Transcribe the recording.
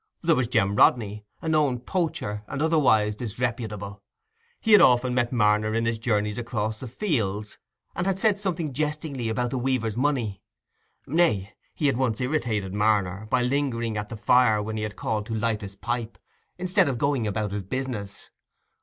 There was Jem Rodney, a known poacher, and otherwise disreputable: he had often met Marner in his journeys across the fields, and had said something jestingly about the weaver's money; nay, he had once irritated Marner, by lingering at the fire when he called to light his pipe, instead of going about his business.